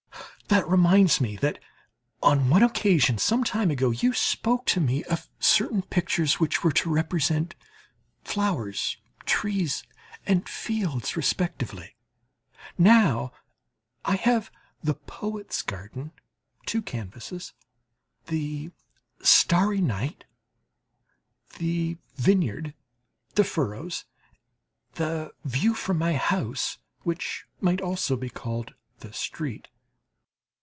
That reminds me that on one occasion some time ago you spoke to me of certain pictures which were to represent flowers, trees, and fields, respectively. Now I have the "Poet's Garden" (two canvases), the "Starry Night," the "Vineyard," the "Furrows," the "View from my House," which might also be called "The Street."